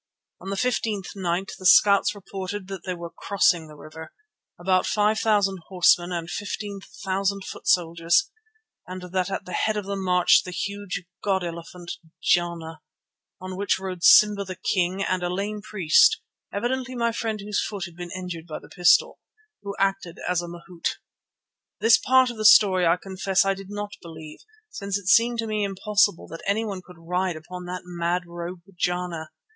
On the fifteenth night the scouts reported that they were crossing the river, about five thousand horsemen and fifteen thousand foot soldiers, and that at the head of them marched the huge god elephant Jana, on which rode Simba the King and a lame priest (evidently my friend whose foot had been injured by the pistol), who acted as a mahout. This part of the story I confess I did not believe, since it seemed to me impossible that anyone could ride upon that mad rogue, Jana.